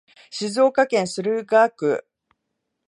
静岡市駿河区